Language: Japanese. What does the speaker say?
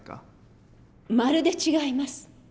まるで違います。